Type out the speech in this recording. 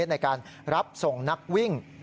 ในการรับส่งนักวิ่ง